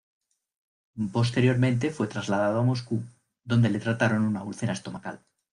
Posteriormente fue trasladado a Moscú, donde le trataron una úlcera estomacal.